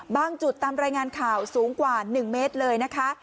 บางจุดตามรายงานข่าวสูงกว่า๑เมตรเลยนะคะ